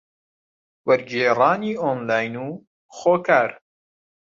وەرگێڕانی ئۆنلاین و خۆکار